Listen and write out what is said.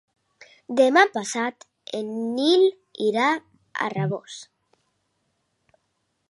Demà passat en Nil irà a Rabós.